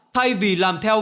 thay vì làm theo